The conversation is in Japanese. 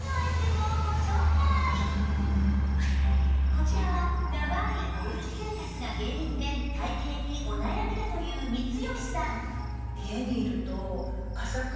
こちらは長いおうち生活が原因で体形にお悩みだという光吉さん